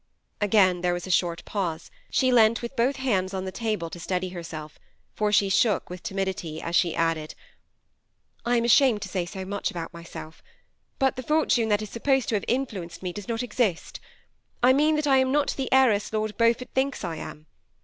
Again, there was a short pause. She leaned with both hands on the table to steady herself, for she shook with timidity, as she added, ^ I am ashamed to say so much about myself, but the for tune that is supposed to have influenced me, does not exist ; I mean, that I am not the heiress Lord Beaufort thinks I am.